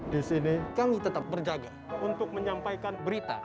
di sini kami tetap berjaga untuk menyampaikan berita